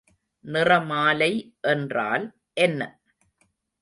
நிறமாலை என்றால் என்ன?